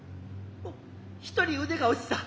一人腕が落ちた。